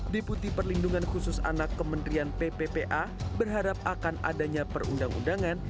deputi perlindungan khusus anak kementerian pppa berharap akan adanya perundang undangan